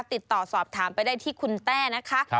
ติดต่อสอบถามไปได้ที่คุณแต้นะคะ